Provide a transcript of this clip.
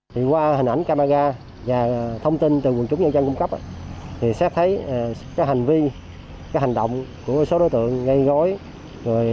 thì qua hình ảnh camera và thông tin từ quần chúng nhân dân cung cấp thì xét thấy cái hành vi cái hành động của số đối tượng gây gối